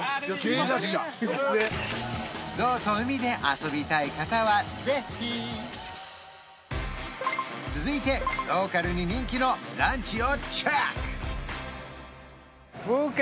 芸達者ゾウと海で遊びたい方はぜひ続いてローカルに人気のランチをチェック！